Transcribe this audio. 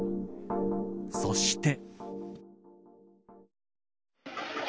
そして。